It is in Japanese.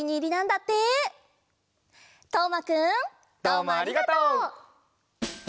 どうもありがとう！